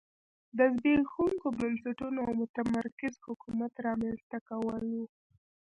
د زبېښونکو بنسټونو او متمرکز حکومت رامنځته کول و